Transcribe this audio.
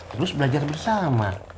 terus belajar bersama